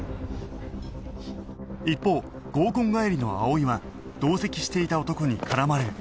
一方合コン帰りの葵は同席していた男に絡まれる